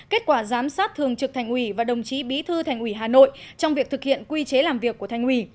kết quả giám sát thường trực thành ủy và đồng chí bí thư thành ủy hà nội trong việc thực hiện quy chế làm việc của thành ủy